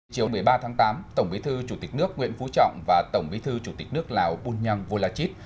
chiều một mươi ba tháng tám tổng bí thư chủ tịch nước nguyễn phú trọng và tổng bí thư chủ tịch nước lào bùn nhăng vô la chít